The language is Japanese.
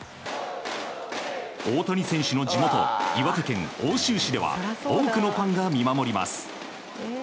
大谷選手の地元岩手県奥州市では多くのファンが見守ります。